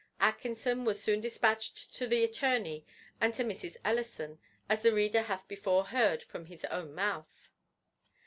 Atkinson was soon dispatched to the attorney and to Mrs. Ellison, as the reader hath before heard from his own mouth.